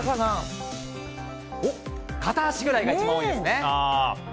片足ぐらいが一番多いですね。